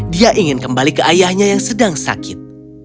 dia ingin kembali ke ayahnya yang sedang sakit